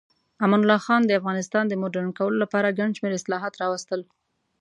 امان الله خان د افغانستان د مډرن کولو لپاره ګڼ شمیر اصلاحات راوستل.